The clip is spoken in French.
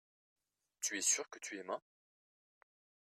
tu es sûr que tu aimas.